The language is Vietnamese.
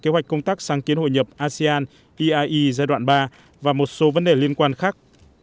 kế hoạch công tác sáng kiến hội nhập asean eie giai đoạn ba và một số vấn đề liên quan khác